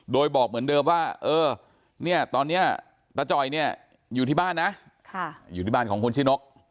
โดยบอกเหมือนเดิมว่าเออเนี่ยตอนนี้ตาจ่อยเนี่ยอยู่ที่บ้านนะอยู่ที่บ้านของคนชื่อนก